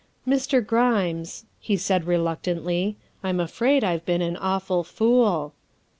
" Mr. Grimes," he said reluctantly, "I'm afraid I've been an awful fool."